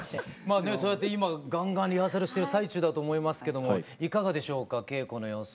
そうやって今ガンガンリハーサルしてる最中だと思いますけどもいかがでしょうか稽古の様子。